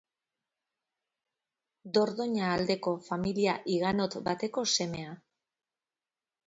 Dordoña aldeko familia higanot bateko semea.